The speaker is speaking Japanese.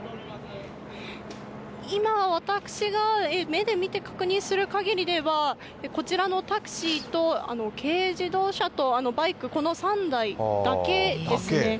今、私が目で見て確認するかぎりでは、こちらのタクシーと軽自動車とバイク、この３台だけですね。